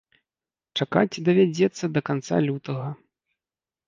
Чакаць давядзецца да канца лютага.